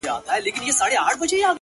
ځوان لگيا دی،